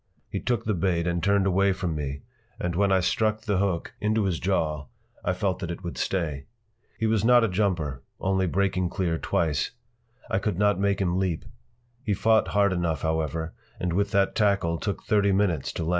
He took the bait and turned away from me, and when I struck the hook into his jaw I felt that it would stay. He was not a jumper—only breaking clear twice. I could not make him leap. He fought hard enough, however, and with that tackle took thirty minutes to land.